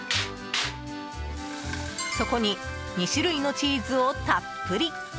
そこに２種類のチーズをたっぷり。